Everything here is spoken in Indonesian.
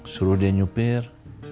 suruh dia nyupir